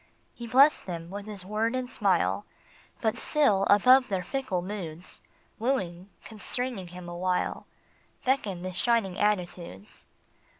He blessed them with his word and smile, CONCORD. 183 But still, above their fickle moods, Wooing, constraining him awhile, Beckoned the shining altitudes.